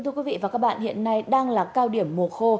thưa quý vị và các bạn hiện nay đang là cao điểm mùa khô